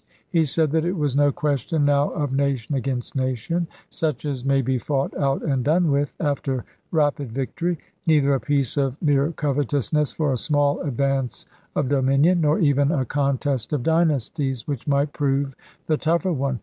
He said that it was no question now of nation against nation, such as may be fought out and done with, after rapid victory; neither a piece of mere covetousness for a small advance of dominion; nor even a contest of dynasties, which might prove the tougher one.